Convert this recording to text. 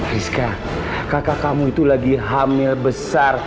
rizka kakak kamu itu lagi hamil besar